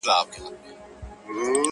زه دي د ژوند اسمان ته پورته کړم ـ ه ياره ـ